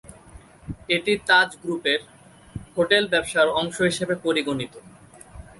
এটি তাজ গ্রুপের হোটেল ব্যবসার অংশ হিসাবে পরিগণিত।